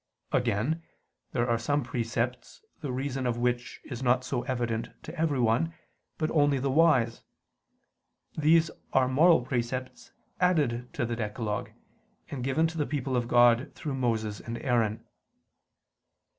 Again, there are some precepts the reason of which is not so evident to everyone, but only the wise; these are moral precepts added to the decalogue, and given to the people by God through Moses and Aaron.